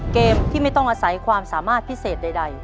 เกมที่ไม่ต้องอาศัยความสามารถพิเศษใด